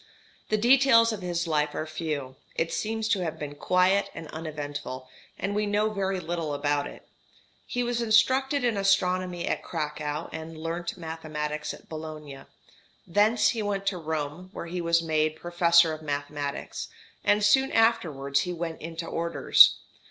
The details of his life are few; it seems to have been quiet and uneventful, and we know very little about it. He was instructed in astronomy at Cracow, and learnt mathematics at Bologna. Thence he went to Rome, where he was made Professor of Mathematics; and soon afterwards he went into orders.